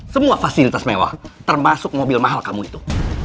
semua fasilitas mewah termasuk mobil mahal kamu itu